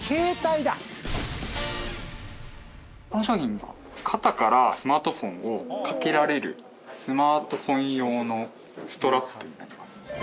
この商品は肩からスマートフォンをかけられるスマートフォン用のストラップになります。